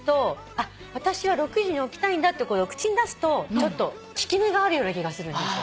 あっ私は６時に起きたいんだって口に出すとちょっと効き目があるような気がするんですよ。